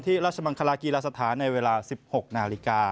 ราชมังคลากีฬาสถานในเวลา๑๖นาฬิกา